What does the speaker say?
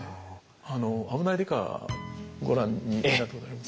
「あぶない刑事」ご覧になったことあります？